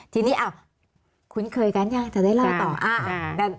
ทีนี้คุ้นเคยกันยังจะได้เล่าต่อ